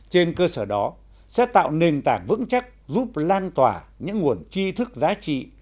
trên cơ sở đó sẽ tạo nền tảng vững chắc giúp lan tỏa những nguồn chi thức giá trị